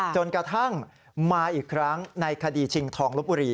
จนกระทั่งมาอีกครั้งในคดีชิงทองลบบุรี